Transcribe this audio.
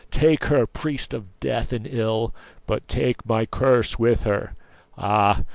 Take her, priest of death and ill; but take my curse with her! Ah!